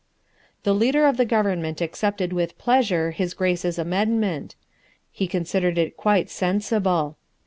The Leader of the Government accepted with pleasure His Grace's amendment. He considered it quite sensible.